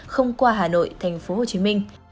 không qua hà nội tp hcm